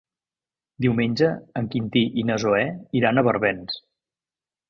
Diumenge en Quintí i na Zoè iran a Barbens.